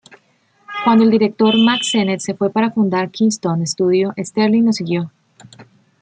Cuando el director Mack Sennett se fue para fundar Keystone Studios, Sterling lo siguió.